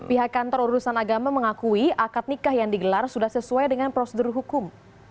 pihak kantor urusan agama mengakui akad nikah yang digelar sudah sesuai dengan prosedur hukum